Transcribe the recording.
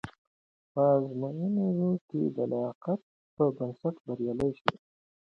په ازموینو کې د لایقت پر بنسټ بریالي شئ.